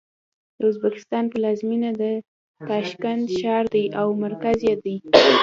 د ازبکستان پلازمېنه د تاشکند ښار دی او مرکز یې دی.